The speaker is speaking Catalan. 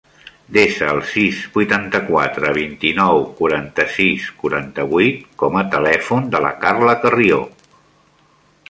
Desa el sis, vuitanta-quatre, vint-i-nou, quaranta-sis, quaranta-vuit com a telèfon de la Carla Carrio.